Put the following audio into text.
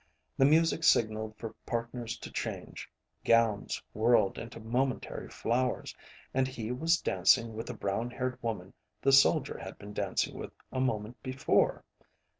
The music signaled for partners to change. Gowns whirled into momentary flowers, and he was dancing with the brown haired woman the soldier had been dancing with a moment before.